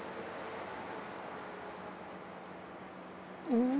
うん。